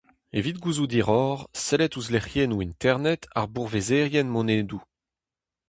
Evit gouzout hiroc'h, sellit ouzh lec'hiennoù Internet ar bourvezerien monedoù.